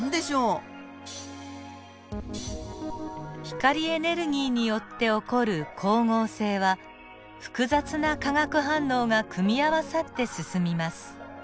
光エネルギーによって起こる光合成は複雑な化学反応が組み合わさって進みます。